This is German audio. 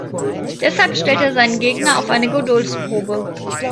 Deshalb stellt er seinen Gegner auf eine Geduldsprobe.